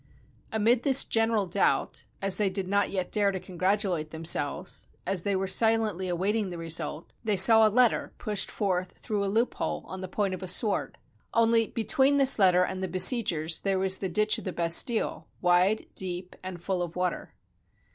Amid this general doubt, as they did not yet dare to congratulate themselves, as they were silently awaiting the result, they saw a letter pushed forth through a loop 291 FRANCE hole on the point of a sword. Only between this letter and the besiegers there was the ditch of the Bastille, wide, deep, and full of water.